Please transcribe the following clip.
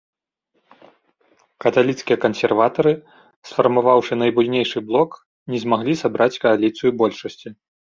Каталіцкія кансерватары, сфармаваўшы найбуйнейшы блок, не змаглі сабраць кааліцыю большасці.